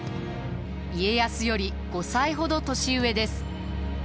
家康より５歳ほど年上です。